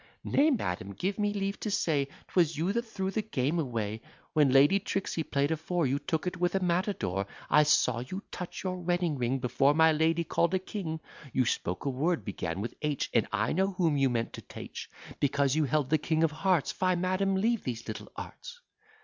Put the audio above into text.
"Nay, madam, give me leave to say, 'Twas you that threw the game away: When Lady Tricksey play'd a four, You took it with a matadore; I saw you touch your wedding ring Before my lady call'd a king; You spoke a word began with H, And I know whom you meant to teach, Because you held the king of hearts; Fie, madam, leave these little arts."